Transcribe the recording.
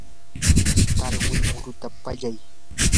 tarwi muruta pallay.